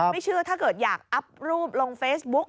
ไม่เชื่อถ้าเกิดอยากอัพรูปลงเฟซบุ๊ก